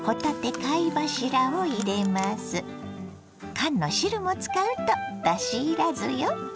缶の汁も使うとだしいらずよ。